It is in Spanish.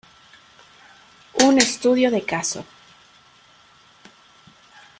Un estudio de caso".